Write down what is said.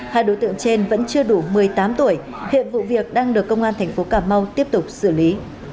hai đối tượng trên vẫn chưa đủ một mươi tám tuổi hiện vụ việc đang được công an thành phố cà mau tiếp tục xử lý